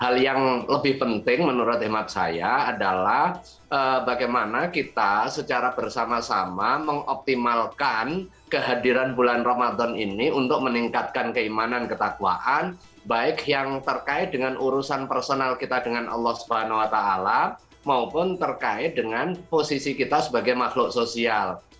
hal yang lebih penting menurut imam saya adalah bagaimana kita secara bersama sama mengoptimalkan kehadiran bulan ramadan ini untuk meningkatkan keimanan ketakwaan baik yang terkait dengan urusan personal kita dengan allah swt maupun terkait dengan posisi kita sebagai makhluk sosial